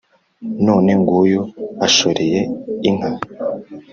none nguyu ashoreye inka